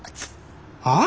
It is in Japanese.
はあ？